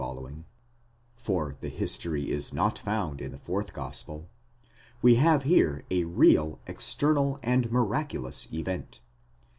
—for the history is not found in the fourth gospel—we have here a real, external, and miraculous event.